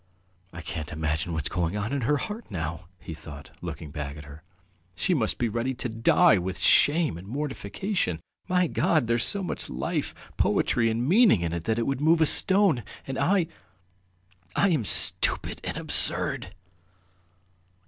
"I can imagine what's going on in her heart now!" he thought, looking at her back. "She must be ready to die with shame and mortification! My God, there's so much life, poetry, and meaning in it that it would move a stone, and I ... I am stupid and absurd!"